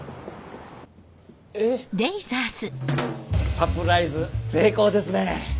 サプライズ成功ですね！